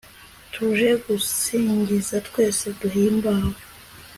tuje tugusingiza twese duhimbawe